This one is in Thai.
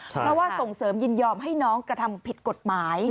เพราะว่าส่งเสริมยินยอมให้น้องกระทำผิดกฎหมาย